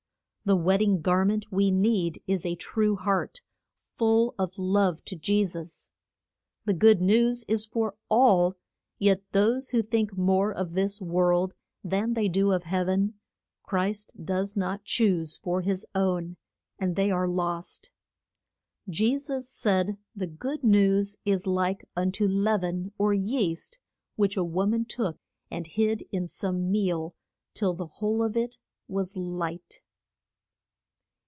The wed ding gar ment we need is a true heart, full of love to Je sus. The good news is for all, yet those who think more of this world than they do of heav en, Christ does not choose for his own, and they are lost. Je sus said the good news is like un to leav en or yeast, which a wo man took and hid in some meal till the whole of it was light.